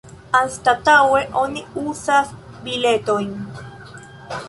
Anstataŭe oni uzas biletojn.